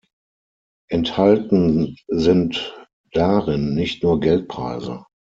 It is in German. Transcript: Enthalten sind darin nicht nur Geldpreise.